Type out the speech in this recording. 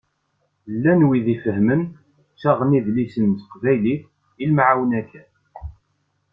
Llan wid ifehmen, ttaɣen idlisen n teqbaylit, i lemɛawna kan.